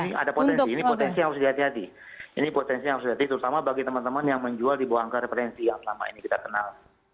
ini ada potensi ini potensi yang harus dihati hati ini potensi yang harus dihati terutama bagi teman teman yang menjual di bawah angka referensi yang selama ini kita kenal